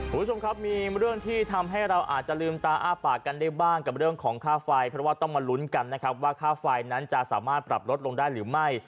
คุณผู้ชมครับมีเรื่องที่ทำให้เราอาจจะลืมตาอ้าปากกันได้บ้างกับเรื่องของค่าไฟเพราะว่าต้องมาลุ้นกันนะครับว่าค่าไฟนั้นจะสามารถปรับลดลงได้หรือไม่